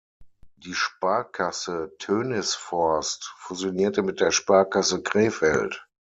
Die Sparkasse Tönisvorst fusionierte mit der Sparkasse Krefeld.